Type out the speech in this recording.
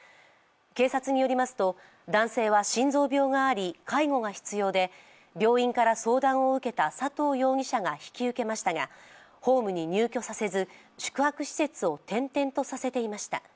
警察によりますと、男性は心臓病があり介護が必要で病院から相談を受けた佐藤容疑者が引き受けましたがホームに入居させず宿泊施設を転々とさせていました。